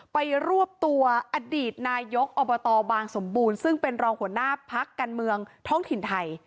รวบตัวอดีตนายกอบตบางสมบูรณ์ซึ่งเป็นรองหัวหน้าพักการเมืองท้องถิ่นไทย